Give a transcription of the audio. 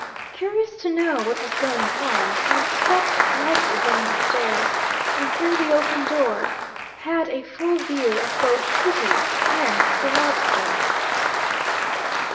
Curious to know what was going on, I stepped lightly down the stairs, and through the open door had a full view of both Kitty and the lobster.